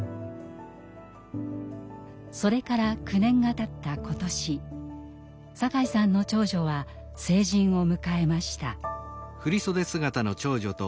それから９年がたった今年酒井さんの長女は成人を迎えました。